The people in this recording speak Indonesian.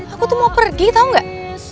aku tuh mau pergi tau gak